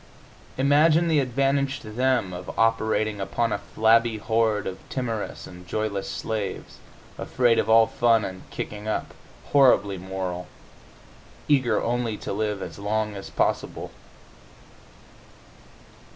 Imagine the advantage to them of operating upon a flabby horde of timorous and joyless slaves, afraid of all fun and kicking up, horribly moral, eager only to live as long as possible!